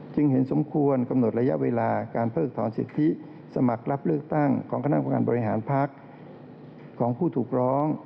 เห็นสมควรกำหนดระยะเวลาการเพิกถอนสิทธิสมัครรับเลือกตั้งของคณะประการบริหารพักของผู้ถูกร้อง